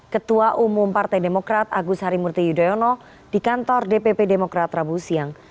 ketua umum partai demokrat agus harimurti yudhoyono di kantor dpp demokrat rabu siang